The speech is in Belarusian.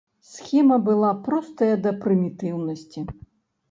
Схема была простая да прымітыўнасці.